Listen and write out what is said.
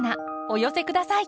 お寄せ下さい。